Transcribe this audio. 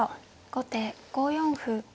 後手５四歩。